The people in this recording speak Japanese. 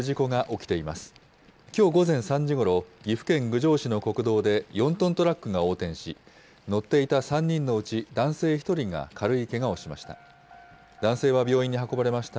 きょう午前３時ごろ、岐阜県郡上市の国道で４トントラックが横転し、乗っていた３人のうち男性１人が軽いけがをしました。